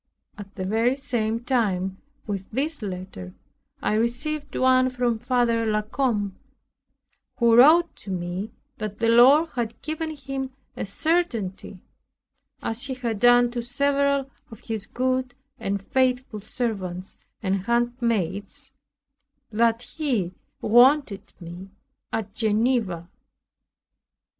At the very same time with this letter I received one from Father La Combe, who wrote to me that the Lord had given him a certainty, as he had done to several of his good and faithful servants and handmaids, that he wanted me at Geneva.